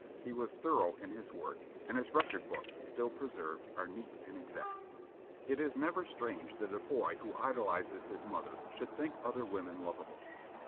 He was thorough in his work, and his record books, still preserved, are neat and exact. It is never strange that a boy who idolizes his mother should think other women lovable.